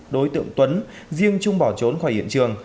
đối tượng tuấn riêng trung bỏ trốn khỏi hiện trường